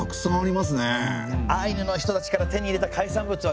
アイヌの人たちから手に入れた海産物はですね